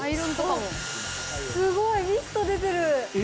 あっ、すごいミスト出てる。